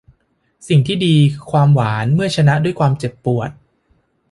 สิ่งที่ดีคือความหวานเมื่อชนะด้วยความเจ็บปวด